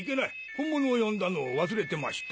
本物を呼んだのを忘れてました。